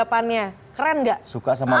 seperti bahwa mereka sudah ber stan